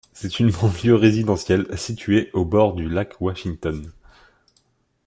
C'est une banlieue résidentielle située au bord du lac Washington.